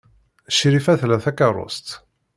Crifa tla takeṛṛust.